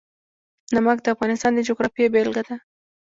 نمک د افغانستان د جغرافیې بېلګه ده.